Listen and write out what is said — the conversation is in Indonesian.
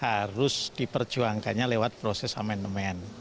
harus diperjuangkannya lewat proses amandemen